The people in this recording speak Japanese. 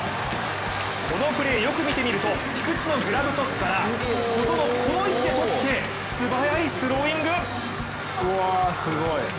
このプレー、よく見てみると菊池のグラブとすから小園、この位置で取って素早いスローイング。